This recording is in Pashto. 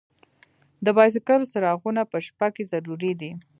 د بایسکل څراغونه په شپه کې ضروری دي.